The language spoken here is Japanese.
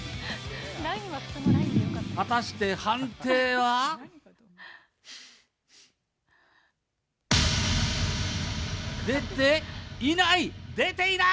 果たして判定は。出ていない！